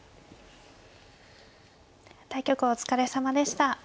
対局お疲れさまでした。